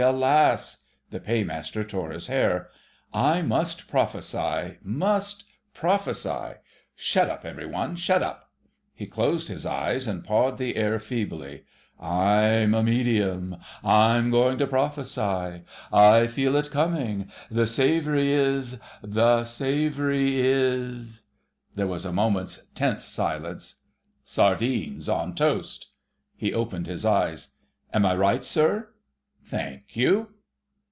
alas!" The Paymaster tore his hair. "I must prophesy ... must prophesy,—shut up, every one! Shut up!" He closed his eyes and pawed the air feebly. "I'm a medium. I'm going to prophesy. I feel it coming.... The savoury is ... the savoury is"—there was a moment's tense silence—"sardines on toast." He opened his eyes. "Am I right, sir? Thank you."